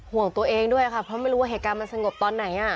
ห่วงตัวเองด้วยค่ะเพราะไม่รู้ว่าเหตุการณ์มันสงบตอนไหน